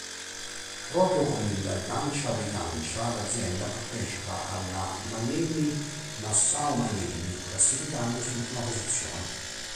Proprio con il "Gancia dei Gancia" l'azienda partecipa alla Miami-Nassau-Miami, classificandosi in prima posizione.